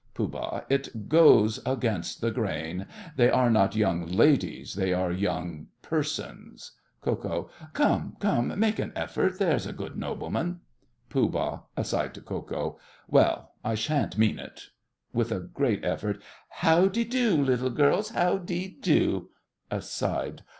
POOH. It goes against the grain. They are not young ladies, they are young persons. KO. Come, come, make an effort, there's a good nobleman. POOH. (aside to Ko Ko). Well, I shan't mean it. (with a great effort.) How de do, little girls, how de do? (Aside.)